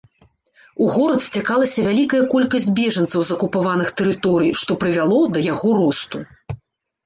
У горад сцякалася вялікая колькасць бежанцаў з акупаваных тэрыторый, што прывяло да яго росту.